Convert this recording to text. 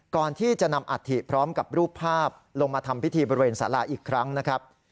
ก่อนที่จะนำอัฐิพร้อมกับรูปภาพลงมาทำพิธีบริเวณสาราอีกครั้งนะครับ